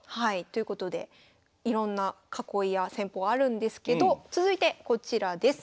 ということでいろんな囲いや戦法あるんですけど続いてこちらです。